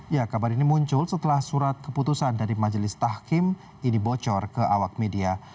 ya kabar ini muncul setelah surat keputusan dari majelis tahkim ini bocor ke awak media